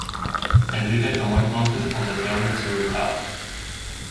Enrique tomó entonces posesión de su ducado.